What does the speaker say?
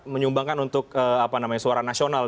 menyumbangkan untuk apa namanya suara nasional